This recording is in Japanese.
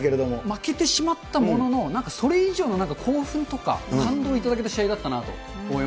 負けてしまったものの、なんかそれ以上のなんか興奮とか、感動を頂けた試合だったなと思い